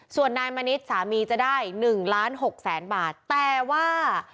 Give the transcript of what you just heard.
ส่วนนายมณิษฐ์สามีจะได้๑ล้านหกแสนบาทแต่ว่า